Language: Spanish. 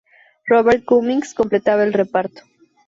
Robert Cummings completaba el reparto.